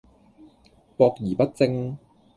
博而不精